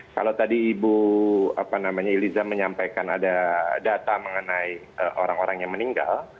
kalau tadi ibu iliza menyampaikan ada data mengenai orang orang yang meninggal